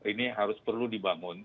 ini harus perlu dibangun